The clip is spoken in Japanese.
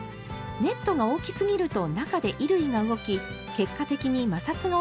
ネットが大きすぎると中で衣類が動き結果的に摩擦が起きてしまいます。